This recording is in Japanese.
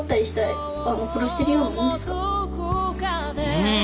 うん。